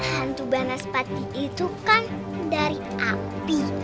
hantu banas pati itu kan dari api